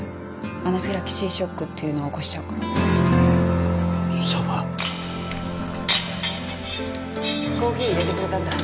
アナフィラキシーショックっていうのを起こしちゃうから蕎麦コーヒーいれてくれたんだ